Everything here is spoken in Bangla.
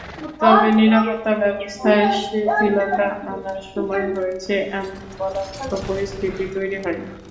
তবে নিরাপত্তাব্যবস্থায় শিথিলতা আনার সময় হয়েছে—এমন বলার মতো পরিস্থিতি তৈরি হয়নি।